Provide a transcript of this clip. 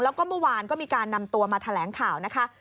แล้วก็เมื่อวานก็มีการนำตัวมาแถลงข่าวนะคะ